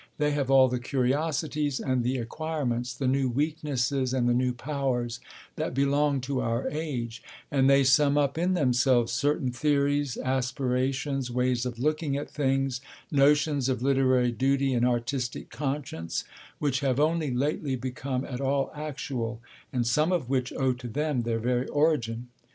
They have all the curiosities and the acquirements, the new weaknesses and the new powers, that belong to our age; and they sum up in themselves certain theories, aspirations, ways of looking at things, notions of literary duty and artistic conscience, which have only lately become at all actual, and some of which owe to them their very origin.